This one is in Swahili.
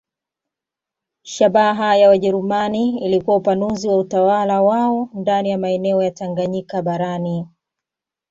Shabaha ya Wajerumani ilikuwa upanuzi wa utawala wao ndani ya maeneo ya Tanganyika barani.